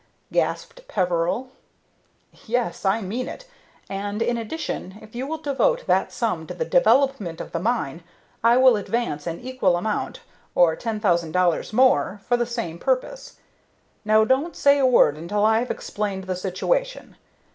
gasped Peveril. "Yes, I mean it; and, in addition, if you will devote that sum to the development of the mine, I will advance an equal amount, or ten thousand dollars more, for the same purpose. Now don't say a word until I have explained the situation.